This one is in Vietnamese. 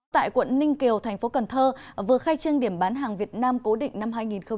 tại quận ninh kiều thành phố cần thơ vừa khai trương điểm bán hàng việt nam cố định năm hai nghìn một mươi chín